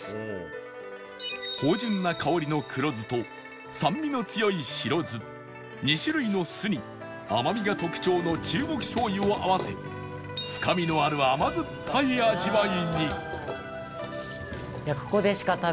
芳醇な香りの黒酢と酸味の強い白酢２種類の酢に甘みが特徴の中国醤油を合わせ深みのある甘酸っぱい味わいに